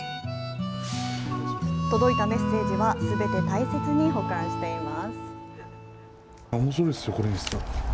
届いたメッセージは、すべて大切に保管しています。